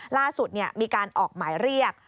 ล่าสุดมีการออกหมายเรียก